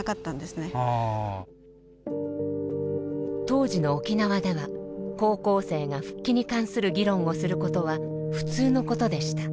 当時の沖縄では高校生が復帰に関する議論をすることは普通のことでした。